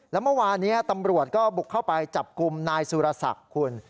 แล้วเมื่อวานี้ตำรวจก็บุกเข้าไปจับกลุ่มนายสุรศักดิ์คุณ